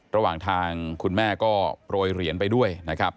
ระหว่างทางคุณแม่ก็โปรยเหรียญไปด้วยนะครับ